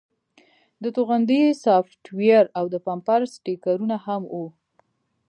د توغندي سافټویر او د بمپر سټیکرونه هم وو